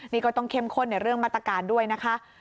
นี่ก็ต้องเข้มข้นในเรื่องมาตรการด้วยนะคะ